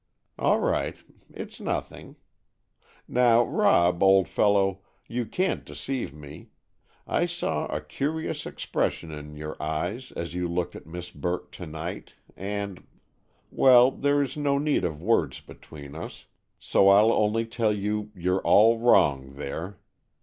"All right—it's nothing. Now, Rob, old fellow, you can't deceive me. I saw a curious expression in your eyes as you looked at Miss Burt to night, and—well, there is no need of words between us, so I'll only tell you you're all wrong there.